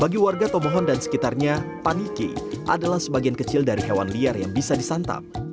bagi warga tomohon dan sekitarnya paniki adalah sebagian kecil dari hewan liar yang bisa disantap